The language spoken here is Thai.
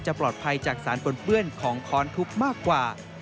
จะปลอดภัยจากสารปล่นของคอนทุบมากกว่า